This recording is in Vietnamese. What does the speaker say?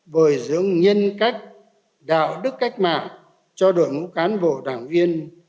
bồi dưỡng nhân cách đạo đức cách mạng cho đội ngũ cán bộ đảng viên